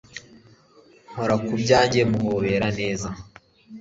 nkora ku byanjye muhobera neza